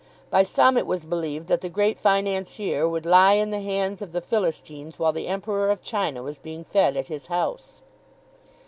By some it was believed that the Great Financier would lie in the hands of the Philistines while the Emperor of China was being fed at his house.